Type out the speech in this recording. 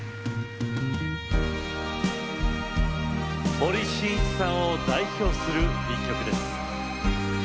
森進一さんを代表する一曲です。